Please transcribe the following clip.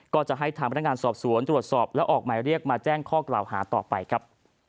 ก็จะให้ทางพนักงานสอบสวนตรวจสอบและออกหมายเรียกมาแจ้งข้อกล่าวหาต่อไปครับ